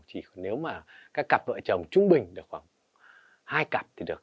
chỉ nếu mà các cặp vợ chồng trung bình được khoảng hai cặp thì được